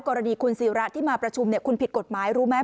กรณีคุณศิระที่มาประชุมคุณผิดกฎหมายรู้ไหม